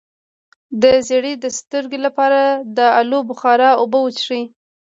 د زیړي د سترګو لپاره د الو بخارا اوبه وڅښئ